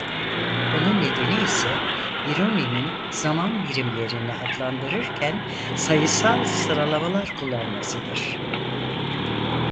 Bunun nedeni ise Biruni'nin zaman birimlerini adlandırırken sayısal sıralamalar kullanmasıdır.